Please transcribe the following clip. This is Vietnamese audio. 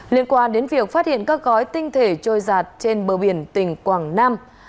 liên quan đến việc phát hiện các gói tinh thể trôi giạt trên bờ biển tỉnh quảng nam